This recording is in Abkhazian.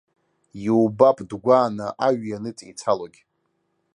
Иубап дгәааны аҩ ианыҵеицалогь.